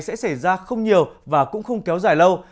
sẽ xảy ra không nhiều và cũng không kéo dài lâu